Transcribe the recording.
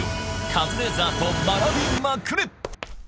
カズレーザーと学びまくれ！